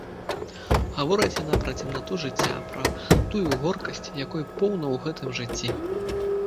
Гаворыць яна пра цемнату жыцця, пра тую горкасць, якой поўна ў гэтым жыцці.